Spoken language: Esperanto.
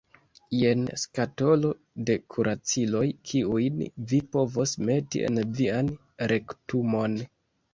Jen skatolo de kuraciloj kiujn vi povos meti en vian rektumon.